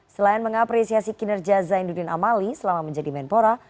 selain mengapresiasi kinerja zainuddin amali selama menjadi menpora